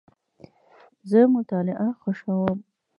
زه مطالعه خوښوم.